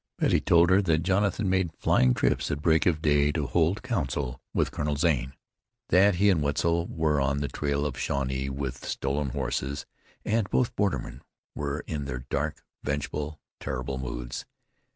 Betty told her that Jonathan made flying trips at break of day to hold council with Colonel Zane; that he and Wetzel were on the trail of Shawnees with stolen horses, and both bordermen were in their dark, vengeful, terrible moods.